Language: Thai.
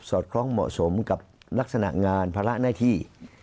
อดคล้องเหมาะสมกับลักษณะงานภาระหน้าที่